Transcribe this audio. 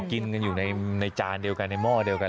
กินกันอยู่ในจานเดียวกันในหม้อเดียวกัน